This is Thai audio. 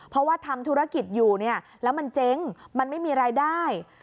เพราะว่าทำธุรกิจอยู่เนี่ยแล้วมันเจ๊งมันไม่มีรายได้